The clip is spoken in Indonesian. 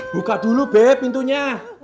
buka dulu bep pintunya